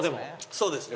そうですね。